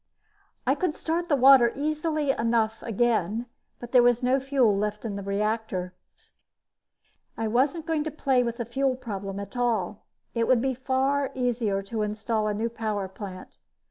I could start the water again easily enough, but there was no fuel left in the reactor. I wasn't going to play with the fuel problem at all. It would be far easier to install a new power plant.